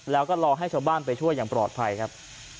แล้วก็รอให้ชาวบ้านไปช่วยอย่างปลอดภัยครับ